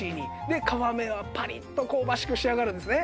で皮目はパリッと香ばしく仕上がるんですね。